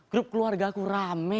grup keluarga aku rame